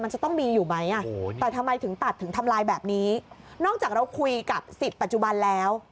มันจะต้องมีอยู่ไหมอ่ะแต่ทำไมถึงตัดถึงทำลายแบบนี้นอกจากเราคุยกับสิทธิ์ปัจจุบันแล้ว